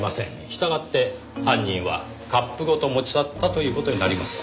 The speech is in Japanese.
従って犯人はカップごと持ち去ったという事になります。